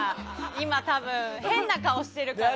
今、多分今、変な顔してるから。